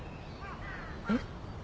えっ？